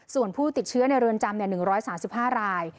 ส่วนผู้ติดเชื้อในเรือนจำ๑๓๕ราย